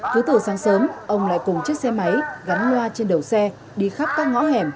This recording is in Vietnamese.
cứ từ sáng sớm ông lại cùng chiếc xe máy gắn loa trên đầu xe đi khắp các ngõ hẻm